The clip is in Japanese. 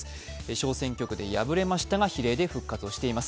小選挙区で敗れましたが比例で復活を果たしています。